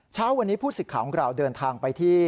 เช้าวันนี้ผู้สิทธิ์ของเราเดินทางไปที่